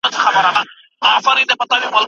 آیا د کبانو لامبو د مرغانو تر الوت ښکلې ده؟